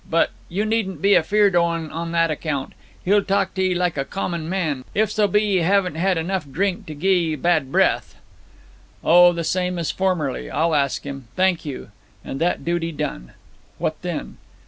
But you needn't be afeard o' en on that account. He'll talk to 'ee like a common man, if so be you haven't had enough drink to gie 'ee bad breath.' 'O, the same as formerly. I'll ask him. Thank you. And that duty done ' 'What then?'